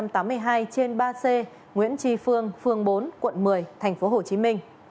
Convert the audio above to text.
trên ba c nguyễn trì phương phường bốn quận một mươi tp hcm